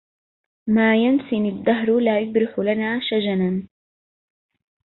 ما ينسني الدهر لا يبرح لنا شجنا